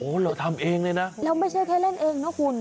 เราทำเองเลยนะแล้วไม่ใช่แค่เล่นเองนะคุณ